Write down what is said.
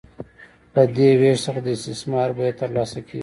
له دې وېش څخه د استثمار بیه ترلاسه کېږي